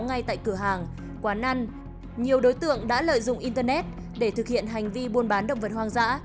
ngay tại cửa hàng quán ăn nhiều đối tượng đã lợi dụng internet để thực hiện hành vi buôn bán động vật hoang dã